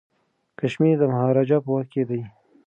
کشمیر د مهاراجا په واک کي دی.